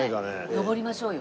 上りましょうよ。